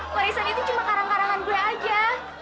warisan itu cuma karang karangan gue aja